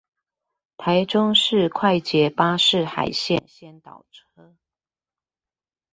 臺中市快捷巴士海線先導車